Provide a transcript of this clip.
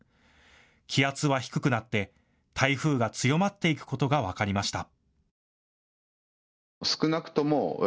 気圧は低くなって台風が強まっていくことが分かりました。